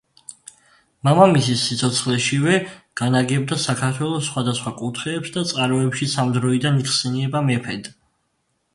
მამამისის სიცოცხლეშივე განაგებდა საქართველოს სხვადასხვა კუთხეებს და წყაროებშიც ამ დროიდან იხსენიება მეფედ.